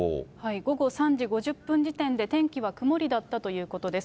午後３時５０分時点で、天気は曇りだったということです。